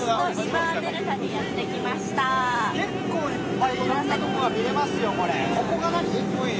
結構いっぱいいろんなところが見えますよ。